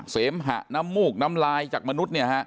เสมหะน้ำมูกน้ำลายจากมนุษย์